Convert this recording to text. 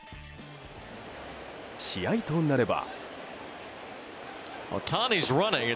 試合となれば。